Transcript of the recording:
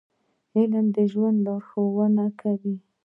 • علم د ژوند لارښوونه کوي.